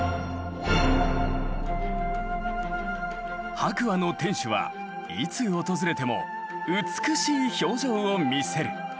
白亜の天守はいつ訪れても美しい表情を見せる。